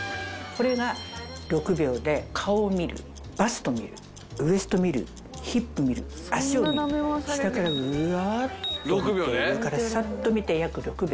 これが６秒で顔を見るバスト見るウエスト見るヒップ見る脚を見る下からうわっと見て上からさっと見て約６秒。